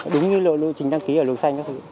đúng như lộ trình đăng ký ở lộ xanh